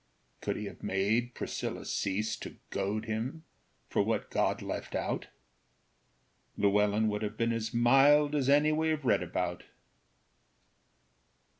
Could he have made Priscilla cease To goad him for what God left out, Llewellyn would have been as mild As any we have read about.